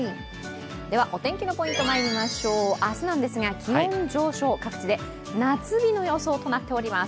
お天気のポイントまいりましょう明日なんですが気温上昇、各地で夏日の予想となっております。